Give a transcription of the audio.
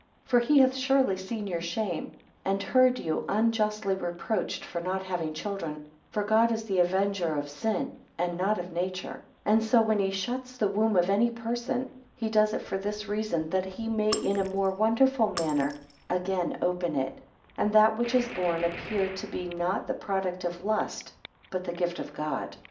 4 For he hath surely seen your shame, and heard you unjustly reproached for not having children: for God is the avenger of sin, and not of nature; 5 And so when he shuts the womb of any person, he does it for this reason, that he may in a more wonderful manner again open it, and that which is born appear to be not the product of lust, but the gift of God.